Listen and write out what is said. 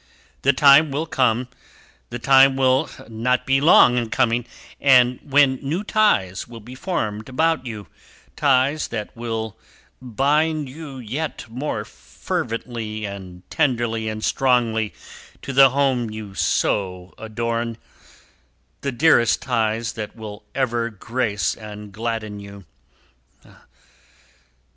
The time will come, the time will not be long in coming, when new ties will be formed about you ties that will bind you yet more tenderly and strongly to the home you so adorn the dearest ties that will ever grace and gladden you.